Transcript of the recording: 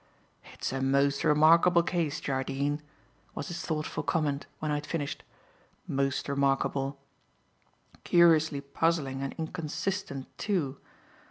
"It's a most remarkable case, Jardine," was his thoughtful comment when I had finished, "most remarkable; curiously puzzling and inconsistent too.